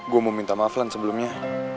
gue mau minta maaf lan sebelumnya